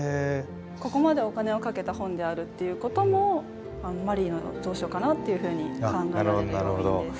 ここまでお金をかけた本であるっていうこともマリーの蔵書かなっていうふうに考えられる要因です。